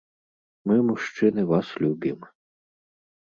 Мы, мужчыны, вас любім.